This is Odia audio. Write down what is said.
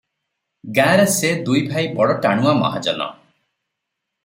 ଗାଁ ରେ ସେ ଦୁଇ ଭାଇ ବଡ ଟାଣୁଆ ମହାଜନ ।